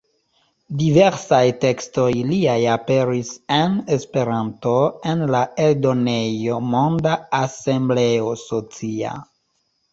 Diversaj tekstoj liaj aperis en Esperanto en la eldonejo Monda Asembleo Socia.